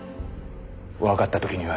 わかった時には。